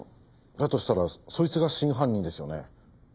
だとしたらそいつが真犯人ですよね？